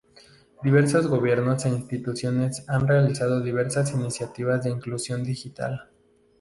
Diversos gobiernos e instituciones han realizado diversas iniciativas de inclusión digital.